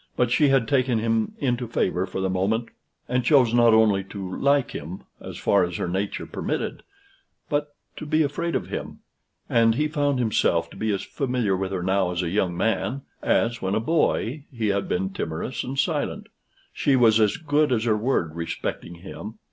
But she had taken him into favor for the moment, and chose not only to like him, as far as her nature permitted, but to be afraid of him; and he found himself to be as familiar with her now as a young man, as, when a boy, he had been timorous and silent. She was as good as her word respecting him.